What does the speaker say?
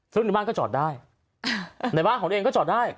ซึ่งในบ้านก็จอดได้ในบ้านของตัวเองก็จอดได้